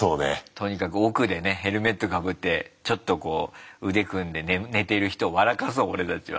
とにかく奧でねヘルメットかぶってちょっとこう腕組んで寝てる人を笑かそう俺たちは。